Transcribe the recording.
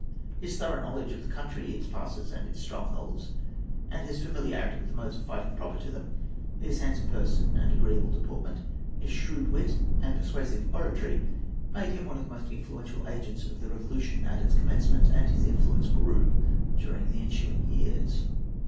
His thorough knowledge of the country, its passes and its strongholds, and his familiarity with the modes of fighting proper to them, his handsome person and agreeable deportment, his shrewd wit and persuasive oratory, made him one of the most influential agents of the Revolution at its commencement, and his influence grew during the ensuing years.